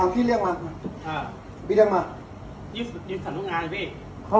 พี่เรียกมา